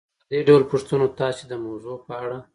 په دې ډول پوښتنو تاسې د موضوع په اړه